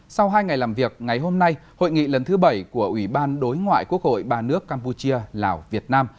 sau hai ngày làm việc ngày hôm nay hội nghị lần thứ bảy của ủy ban đối ngoại quốc hội ba nước campuchia lào việt nam